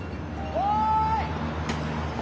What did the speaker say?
おい！